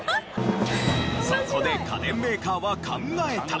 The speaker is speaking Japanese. そこで家電メーカーは考えた。